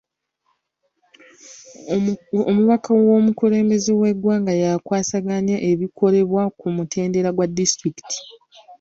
Omubaka w'omukulembeze w'egwanga yakwasaganya ebikolebwa ku mutendera gwa disitulikiti.